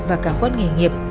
và cảm quan nghề nghiệp